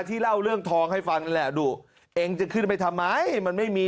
เล่าเรื่องทองให้ฟังนั่นแหละดูเองจะขึ้นไปทำไมมันไม่มี